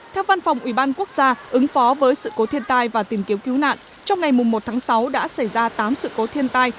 theo văn phòng ủy ban quốc gia ứng phó với sự cố thiên tai và tìm kiếm cứu nạn trong ngày một tháng sáu đã xảy ra tám sự cố thiên tai